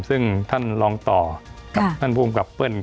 ซึ่งท่านรองต่อกับท่านภูมิกับเปิ้ล